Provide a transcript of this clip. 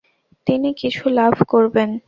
তিনি কিছু লাভ করবেন।